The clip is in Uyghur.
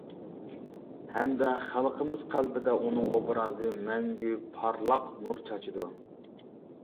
ھەمدە خەلقىمىز قەلبىدە ئۇنىڭ ئوبرازى مەڭگۈ پارلاق نۇر چاچىدۇ.